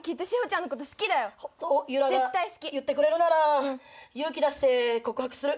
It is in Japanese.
ユラが言ってくれるなら勇気出して告白する。